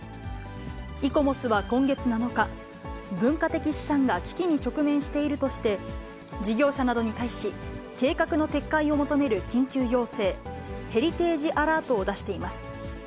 イコモスは今月７日、文化的資産が危機に直面しているとして、事業者などに対し、計画の撤回を求める緊急要請、ヘリテージ・アラートを出しています。